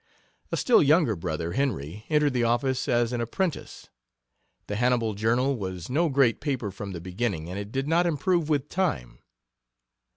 A still younger brother, Henry, entered the office as an apprentice. The Hannibal journal was no great paper from the beginning, and it did not improve with time.